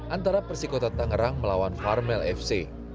antara persikota tangerang melawan farmel fc